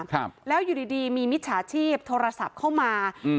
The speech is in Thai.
ครับแล้วอยู่ดีดีมีมิจฉาชีพโทรศัพท์เข้ามาอืม